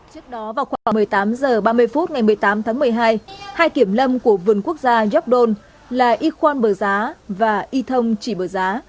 trước đó vào khoảng một mươi tám h ba mươi phút ngày một mươi tám tháng một mươi hai hai kiểm lâm của vườn quốc gia york don là y khoan bờ giá và y thông chỉ bờ giá